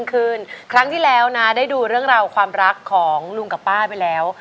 คืนครั้งที่แล้วนะได้ดูเรื่องราวความรักของลุงกับป้าไปแล้ว